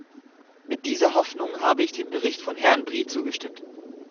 Mit dieser Hoffnung habe ich dem Bericht von Herrn Brie zugestimmt.